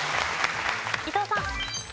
伊藤さん。